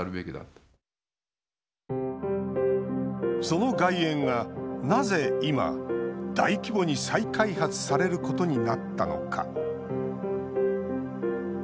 その外苑がなぜ今、大規模に再開発されることになったのか。